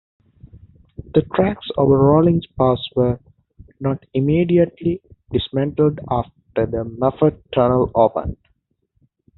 The tracks over Rollins Pass were not immediately dismantled after the Moffat Tunnel opened.